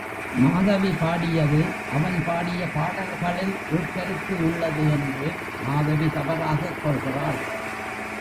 மாதவி பாடியது அவன் பாடிய பாடல்களில் உள்கருத்து உள்ளது என்று மாதவி தவறாகக் கொள்கிறாள்.